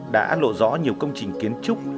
đã lộ rõ nhiều công trình kiến trúc